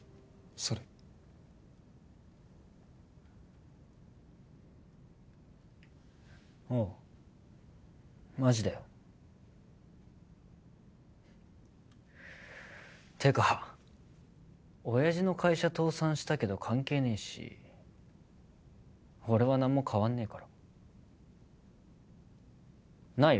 それおうマジだよってか親父の会社倒産したけど関係ねえし俺は何も変わんねえからなあ？